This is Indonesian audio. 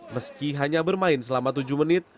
meski hanya bermain selama tujuh menit